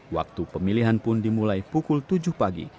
waktu pemilihan pun dimulai pukul tujuh pagi